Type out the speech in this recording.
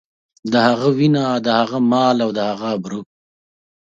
د هغه وينه، د هغه مال او د هغه ابرو.